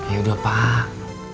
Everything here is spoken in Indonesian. ya udah pak